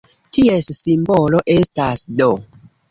Ties simbolo estas "d".